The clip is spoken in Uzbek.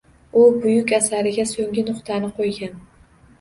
U buyuk asariga so‘nggi nuqtani qo‘ygan